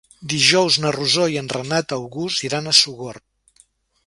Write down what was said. Dijous na Rosó i en Renat August iran a Sogorb.